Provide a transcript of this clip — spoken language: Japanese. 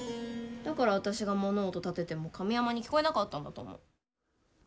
だから私が物音立てても神山に聞こえなかったんだと思う。